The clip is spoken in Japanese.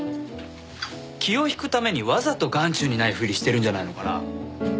気を引くためにわざと眼中にないふりしてるんじゃないのかな？